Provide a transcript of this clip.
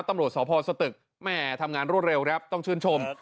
ตำรวจสพสตึกแม่ทำงานรวดเร็วครับต้องชื่นชม